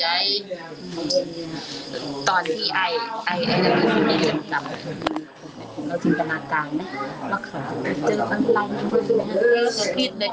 อยากให้สังคมรับรู้ด้วย